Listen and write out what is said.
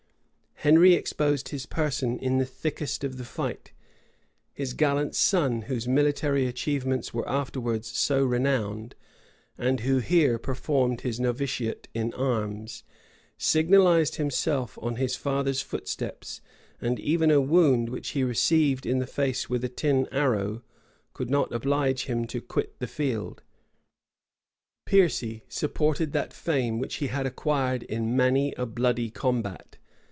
Henry exposed his person in the thickest of the fight: his gallant son, whose military achievements were afterwards so renowned, and who here performed his novitiate in arms, signalized himself on his father's footsteps; and even a wound, which he received in the face with tin arrow, could not oblige him to quit the field.[] * Hall, fol. 21, 22, etc. T. Livii, p. 3 Piercy supported that fame which he had acquired in many a bloody combat.